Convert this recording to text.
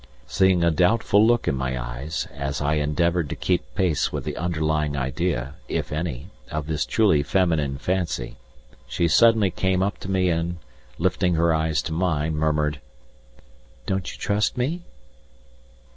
Seeing a doubtful look in my eyes as I endeavoured to keep pace with the underlying idea, if any, of this truly feminine fancy, she suddenly came up to me and, lifting her eyes to mine, murmured: "Don't you trust me?"